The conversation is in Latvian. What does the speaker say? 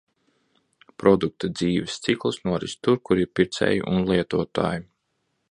Produkta dzīves cikls noris tur, kur ir pircēji un lietotāji.